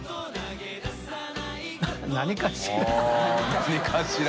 「何かしら」